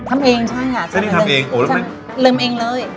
ทำเองใช่ค่ะใช่นี่ทำเองโอ้แล้วมันลืมเองเลย